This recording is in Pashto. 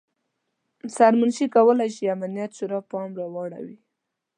سرمنشي کولای شي امنیت شورا پام راواړوي.